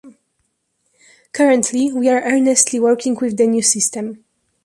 Currently, we are earnestly working with the new system.